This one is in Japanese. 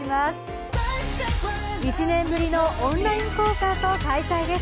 １年ぶりのオンラインコンサートを開催です。